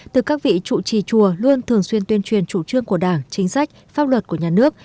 từ các vị trụ trì chùa luôn thường xuyên tuyên truyền chủ trương của đảng chính sách pháp luật của nhà nước